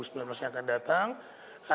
kemudian tapi nanti kita akan memutuskan